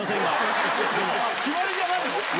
決まりじゃないの？